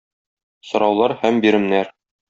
Сораулар һәм биремнәр.